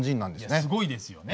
いやすごいですよね。